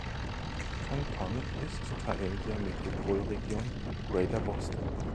Canton ist Teil der Metropolregion Greater Boston.